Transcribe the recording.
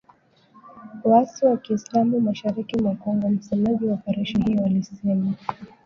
waasi wa kiislamu mashariki mwa Kongo msemaji wa operesheni hiyo alisema